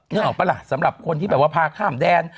นึกออกปะล่ะสำหรับคนที่แบบว่าพาข้ามแดน